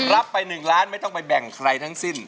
รับไป๑ล้านไม่ต้องไปแบ่งใครทั้งสิ้น